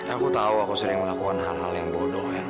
aku tau aku sering melakukan hal hal yang bodoh